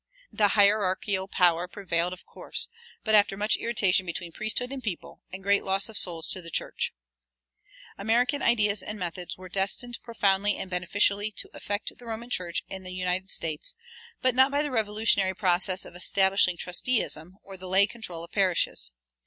The hierarchical power prevailed, of course, but after much irritation between priesthood and people, and "great loss of souls to the church."[216:1] American ideas and methods were destined profoundly and beneficially to affect the Roman Church in the United States, but not by the revolutionary process of establishing "trusteeism," or the lay control of parishes.